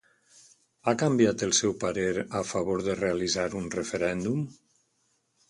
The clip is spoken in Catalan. Ha canviat el seu parer a favor de realitzar un referèndum?